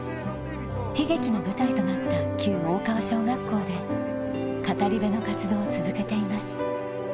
悲劇の舞台となった旧大川小学校で語り部の活動を続けています